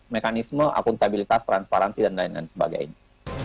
mekanisme akuntabilitas transparansi dan lain lain sebagainya